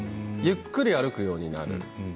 ゆっくり歩くようになると。